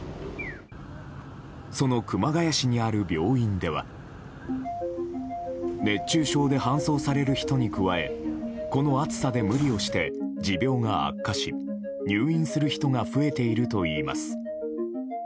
その熊谷市にある病院では熱中症で搬送される人に加えこの暑さで無理をして持病が悪化し、入院する人が増えているといいます。